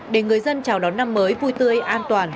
để người dân chào đón năm mới vui tươi an toàn